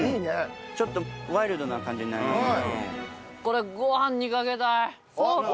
ちょっとワイルドな感じになりますね。